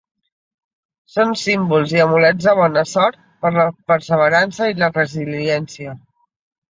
Són símbols i amulets de bona sort per la perseverança i la resiliència.